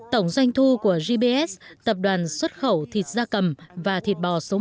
tổng doanh thu của gbs tập đoàn xuất khẩu thịt gia cầm và thịt bò sở hữu